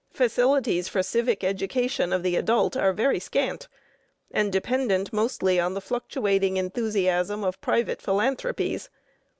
Facilities for civic education of the adult are very scant, and dependent mostly on the fluctuating enthusiasm of private philanthropies.